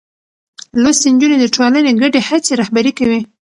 لوستې نجونې د ټولنې ګډې هڅې رهبري کوي.